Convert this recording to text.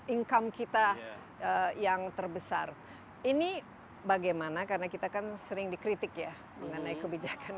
income kita yang terbesar ini bagaimana karena kita kan sering dikritik ya mengenai kebijakan